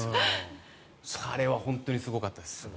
彼は本当にすごかったです。